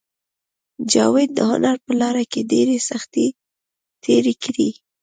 جاوید د هنر په لاره کې ډېرې سختۍ تېرې کړې